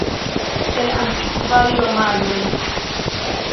Ĉe la antikvaj romanoj.